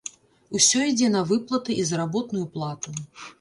Усё ідзе на выплаты і заработную плату.